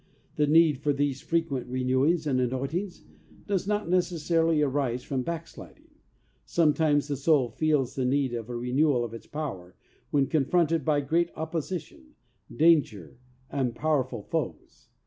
The need for these frequent renewings and anointings does not necessarily arise from backsliding. Sometimes the soul feels the need of a renewal of its power when confronted by great opposition, danger and powerful foes.